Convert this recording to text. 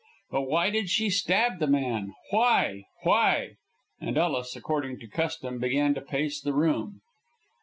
But why did she stab the man? Why? Why?" and Ellis, according to custom, began to pace the room.